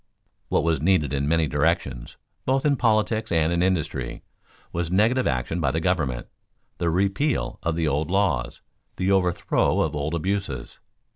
What was needed in many directions, both in politics and in industry, was negative action by the government, the repeal of the old laws, the overthrow of old abuses.